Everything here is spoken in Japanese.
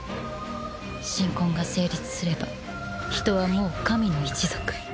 神婚が成立すれば人はもう神の一族。